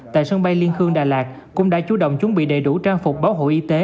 tại sân bay liên khương đà lạt cũng đã chủ động chuẩn bị đầy đủ trang phục bảo hộ y tế